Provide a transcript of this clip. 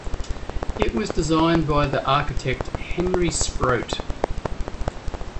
It was designed by the architect Henry Sproatt.